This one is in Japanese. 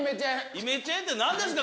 イメチェンって何ですか